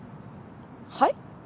はい？